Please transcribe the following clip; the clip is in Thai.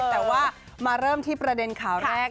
แต่ว่ามาเริ่มที่ประเด็นข่าวแรก